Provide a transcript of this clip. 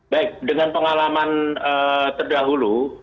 baik dengan pengalaman terdahulu